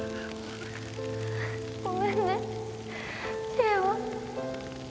ごめんね景和。